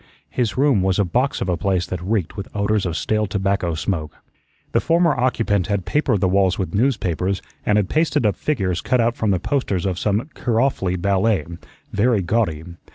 His room was a box of a place that reeked with odors of stale tobacco smoke. The former occupant had papered the walls with newspapers and had pasted up figures cut out from the posters of some Kiralfy ballet, very gaudy.